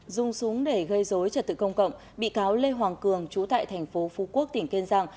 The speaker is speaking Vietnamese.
dùng súng để gây dối trật tự công cộng bị cáo lê hoàng cường trú tại thành phố phú quốc tỉnh kiên giang